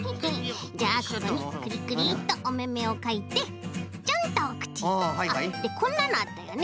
じゃあここにクリクリッとおめめをかいてチョンとおくち。でこんなのあったよね。